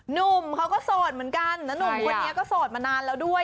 หนุ่มเขาก็โสดเหมือนกันแล้วหนุ่มคนนี้ก็โสดมานานแล้วด้วย